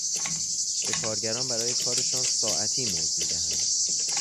به کارگران برای کارشان ساعتی مزد میدهند.